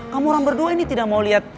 kamu orang berdua ini tidak mau lihat